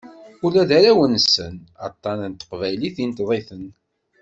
Ula d arraw-nsen, aṭṭan n teqbaylit inṭeḍ-iten.